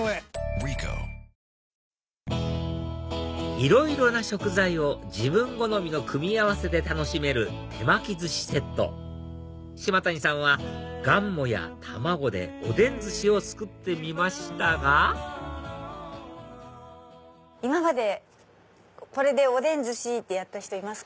いろいろな食材を自分好みの組み合わせで楽しめる手巻き寿司セット島谷さんはがんもや卵でおでん寿司を作ってみましたが今までこれでおでん寿司！ってやった人いますか？